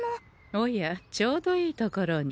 おやちょうどいいところに。